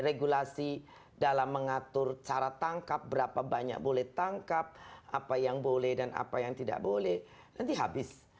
regulasi dalam mengatur cara tangkap berapa banyak boleh tangkap apa yang boleh dan apa yang tidak boleh nanti habis